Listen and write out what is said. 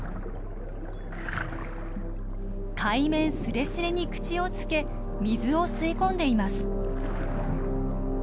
海面スレスレに口をつけ水を吸い込んでいます。